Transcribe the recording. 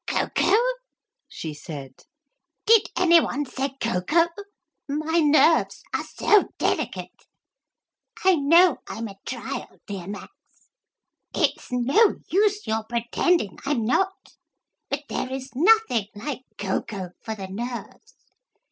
'Cocoa?' she said, 'did any one say cocoa? My nerves are so delicate. I know I'm a trial, dear Max, it's no use your pretending I'm not, but there is nothing like cocoa for the nerves.